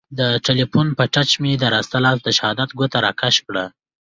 د تیلیفون په ټچ مې د راسته لاس د شهادت ګوته را کش کړه.